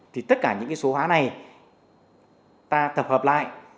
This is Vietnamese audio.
thì tất cả những cái số hóa này ta tập hợp lại